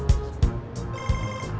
kenapa kamu udah kembali